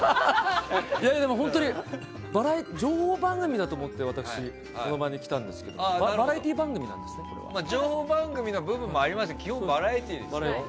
でも、本当に情報番組だと思って私、この場に来たんですが情報番組の面もありますけど基本バラエティーですよ。